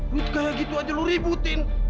lut kayak gitu aja lu ributin